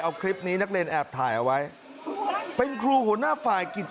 เอาคลิปนี้นักเรียนแอบถ่ายเอาไว้